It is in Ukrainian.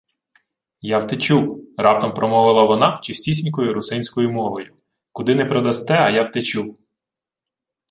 — Я втечу, — раптом промовила вона чистісінькою русинською мовою. — Куди не продасте, а я втечу.